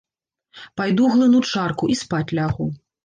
Пайду глыну чарку і спаць лягу.